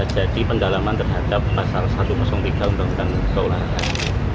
jadi pendalaman terhadap pasal satu ratus tiga undang undang seolah olah